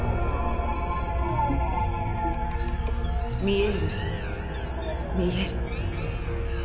見える見える。